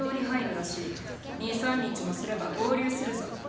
二三日もすれば合流するぞ。